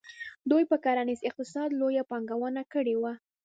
دوی پر کرنیز اقتصاد لویه پانګونه کړې وه.